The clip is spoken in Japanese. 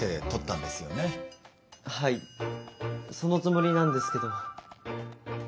はいそのつもりなんですけど。